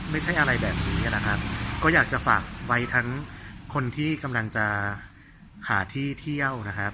ไม่ใช่อะไรแบบนี้นะครับก็อยากจะฝากไว้ทั้งคนที่กำลังจะหาที่เที่ยวนะครับ